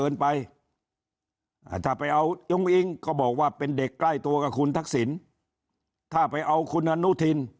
เด็กใกล้ตัวกับคุณทักษิณถ้าไปเอาคุณอนุทิน